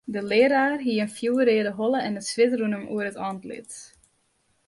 De learaar hie in fjoerreade holle en it swit rûn him oer it antlit.